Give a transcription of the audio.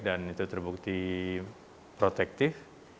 dan itu terbukti protektif